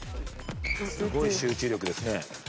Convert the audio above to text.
すごい集中力ですね。